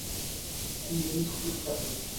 আমি মিনিসট্রিতে চাকরি করি।